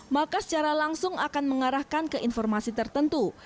maka secara langsung akan mengarahkan ke informasi tertentu